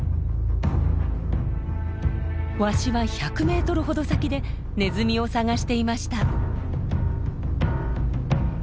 ワシは１００メートルほど先でネズミを探していました。